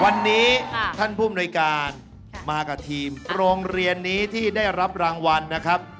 วันนี้ท่านผู้มนุยการมากับทีมโรงเรียนนี้ที่ได้รับรางวัลนะครับ